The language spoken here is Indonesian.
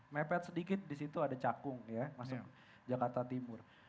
mepet sedikit di situ ada cakung ya masuk jakarta timur